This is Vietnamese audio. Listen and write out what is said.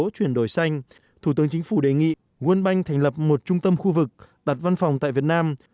chuyển đổi xanh thủ tướng chính phủ đề nghị world bank thành lập một trung tâm khu vực đặt văn phòng tại việt nam